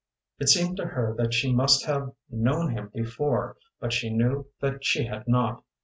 It seemed to her that she must have known him before, but she knew that she had not.